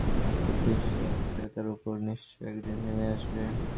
কিন্তু ঈশ্বরের বিচার তাদের ওপর নিশ্চয়ই একদিন নেমে আসবে।